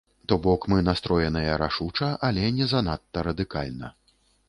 То бок, мы настроеныя рашуча, але не занадта радыкальна.